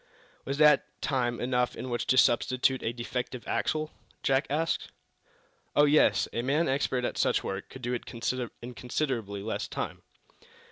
"Was that time enough in which to substitute a defective axle?" Jack asked. "Oh, yes; a man expert at such work could do it in considerably less time."